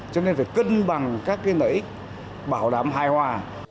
cho nên phải cân bằng các lợi ích bảo đảm hài hòa